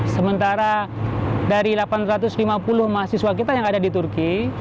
sementara dari delapan ratus lima puluh mahasiswa kita yang ada di turki